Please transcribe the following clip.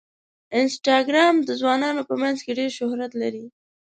انسټاګرام د ځوانانو په منځ کې ډېر شهرت لري.